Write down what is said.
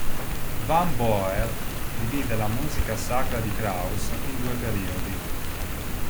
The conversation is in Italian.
Van Boer divide la musica sacra di Kraus in due periodi.